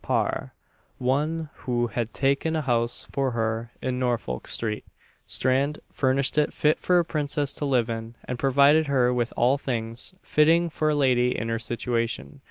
Par. one who had taken a house for her in Norfolk street, Strand, furnished it fit for a princess to live in, and provided her with all things fitting for a lady in her situation.